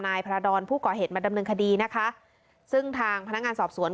นายพระดรผู้ก่อเหตุมาดำเนินคดีนะคะซึ่งทางพนักงานสอบสวน